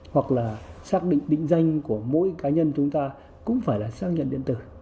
hoặc là xác định định danh của mỗi cá nhân chúng ta cũng phải là xác nhận điện tử